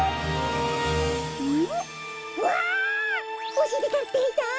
おしりたんていさん！